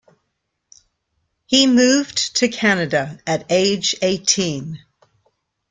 He moved to Canada at age eighteen.